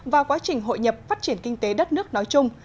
và quá trình hội nhập phát triển kinh tế đất nước nói chung